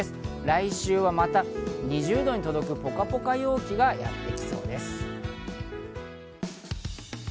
来週はまた２０度に届く、ポカポカ陽気がやってきそうです。